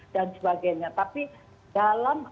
dan sebagainya tapi dalam